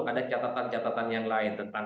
ada catatan catatan yang lain tentang